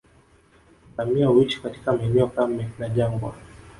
Ngamia huishi katika maeneo kame na jangwa